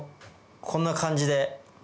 こんな感じで。